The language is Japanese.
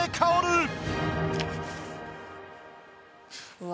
うわ。